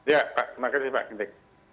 ya pak terima kasih pak ginting